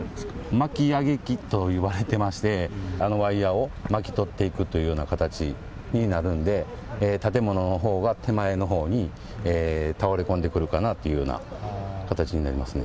巻き上げ機といわれてまして、あのワイヤを巻き取っていくというような形になるんで、建物のほうが手前のほうに倒れ込んでくるかなというような形になりますね。